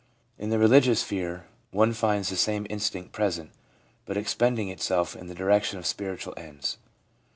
In the religious sphere one finds the same instinct present, but expending itself in the direction of spiritual ends.